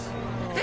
え？